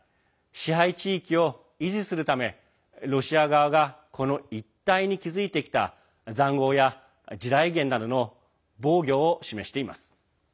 支配地域を維持するためロシア側がこの一帯に築いてきたざんごうや地雷原などの防御を示しています。